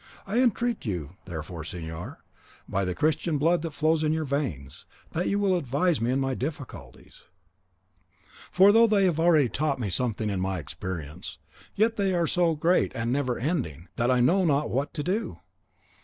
I entreat you, therefore, señor, by the Christian blood that flows in your veins, that you will advise me in my difficulties; for though they have already taught me something by experience, yet they are so great and never ending, that I know not what to do."